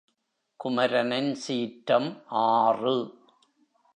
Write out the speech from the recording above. குமரனின் சீற்றம் ஆறு.